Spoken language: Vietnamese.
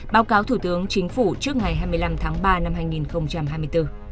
báo cáo thủ tướng chính phủ trước ngày hai mươi năm tháng ba năm hai nghìn hai mươi bốn